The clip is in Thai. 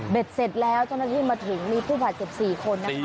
เบ็ดเสร็จแล้วท่านนักที่มาถึงมีผู้ผ่านเจ็บ๔คนนะคะ